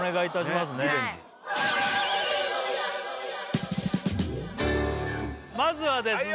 まずはですね